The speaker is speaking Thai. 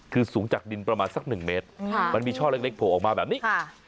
คือสูงจากดินประมาณสักหนึ่งเมตรมันมีช่อเล็กโผล่ออกมาแบบนี้